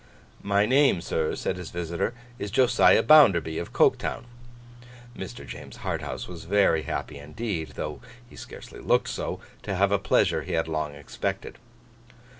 'My name, sir,' said his visitor, 'is Josiah Bounderby, of Coketown.' Mr. James Harthouse was very happy indeed (though he scarcely looked so) to have a pleasure he had long expected.